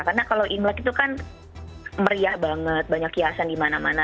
karena kalau imbad itu kan meriah banget banyak kiasan dimana mana